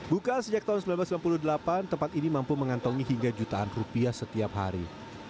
buka sejak tahun seribu sembilan ratus sembilan puluh delapan tempat ini mampu mengantongi hingga jutaan rupiah setiap hari